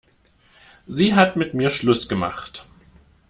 Sie hat mit mir Schluss gemacht.